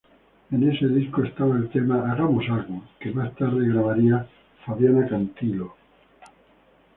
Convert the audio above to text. En ese disco estaba el tema "Hagamos algo"; que más tarde grabaría Fabiana Cantilo.